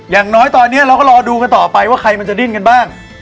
อย่างน้อยตอนนี้เราก็รอดูกันต่อไปว่าใครมันจะดิ้นกันบ้าง